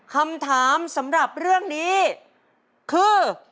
คำถามสำหรับเรื่องนี้คือ